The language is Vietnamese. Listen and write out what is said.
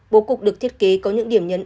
bộ cục được thiết kế có những điểm nhấn